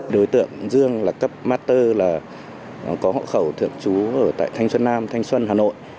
đối tượng dương là cấp master là có hộ khẩu thượng chú ở tại thanh xuân nam thanh xuân hà nội